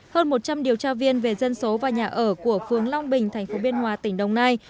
hơn một trăm linh điều tra viên về dân số và nhà ở của phương long bình tp biên hòa tỉnh đồng nai